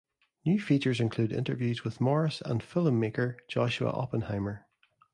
New features include interviews with Morris and filmmaker Joshua Oppenheimer.